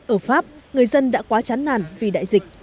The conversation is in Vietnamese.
ở pháp người dân đã quá chán nản vì đại dịch